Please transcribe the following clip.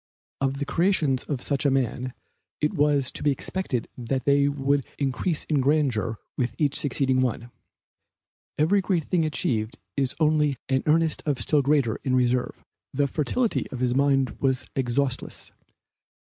Of the creations of such a man, it was to be expected that they would increase in grandeur with each succeeding one. Every great thing achieved is only an earnest of still greater in reserve. The fertility of his mind was exhaustless.